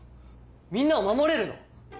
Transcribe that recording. みんなを守れるの？